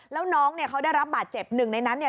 แล้วน้องเนี่ยเขาได้รับบาดเจ็บหนึ่งในนั้นเนี่ย